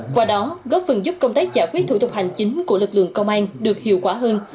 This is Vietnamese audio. qua đó góp phần giúp công tác giải quyết thủ tục hành chính của lực lượng công an được hiệu quả hơn